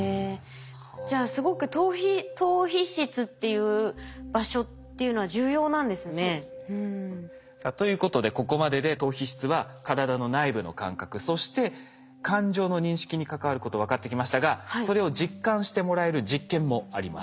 じゃあそうですね。ということでここまでで島皮質は体の内部の感覚そして感情の認識に関わること分かってきましたがそれを実感してもらえる実験もあります。